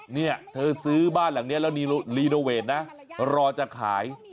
เนี่ยเธอซื้อบ้านหลังนี้แล้วรีโนเวทนะรอจะขาย